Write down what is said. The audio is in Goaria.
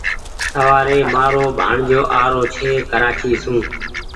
شوآر مآرو ڀآڻيجو آ رو ڇي ڪرآچي سون